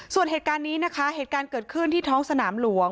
ส่วนเหตุการณ์นี้นะคะเหตุการณ์เกิดขึ้นที่ท้องสนามหลวง